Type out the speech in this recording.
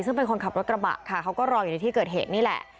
ซึ่งเป็นคนขับรถกระบะค่ะเขาก็รออยู่ในที่เกิดเหตุนี่แหละ